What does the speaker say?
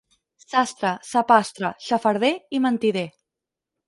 Sastre, sapastre, xafarder i mentider.